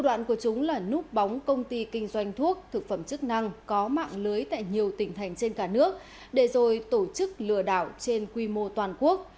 đoạn của chúng là núp bóng công ty kinh doanh thuốc thực phẩm chức năng có mạng lưới tại nhiều tỉnh thành trên cả nước để rồi tổ chức lừa đảo trên quy mô toàn quốc